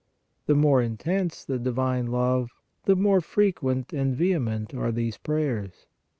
The more intense the divine love, the more frequent and vehement are these prayers.